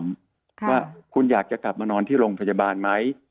ว่าคุณอยากจะกลับมานอนที่โรงพยาบาลไหม